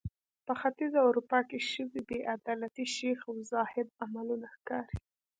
په ختیځه اروپا کې شوې بې عدالتۍ شیخ او زاهد عملونه ښکاري.